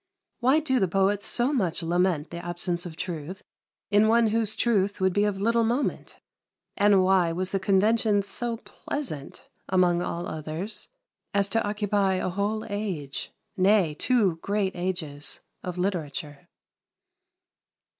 Why do the poets so much lament the absence of truth in one whose truth would be of little moment? And why was the convention so pleasant, among all others, as to occupy a whole age nay, two great ages of literature?